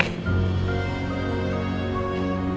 supaya suami saya tidak meninggalkan saya